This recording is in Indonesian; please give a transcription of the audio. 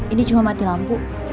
ini cuma mati lampu